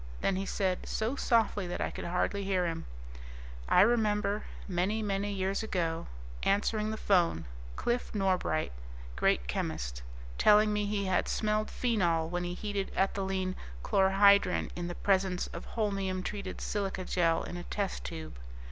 Then he said, so softly that I could hardly hear him, "I remember, many, many years ago, answering the phone, Cliff Norbright great chemist telling me he had smelled phenol when he heated ethylene chlorohydrin in the presence of holmium treated silica gel in a test tube.